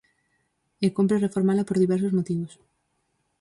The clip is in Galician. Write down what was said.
E cómpre reformala por diversos motivos.